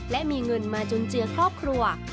และมีเงินมาจุนเจือครอบครัว